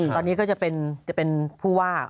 ตอนนี้ก็จะเป็นผู้ว่า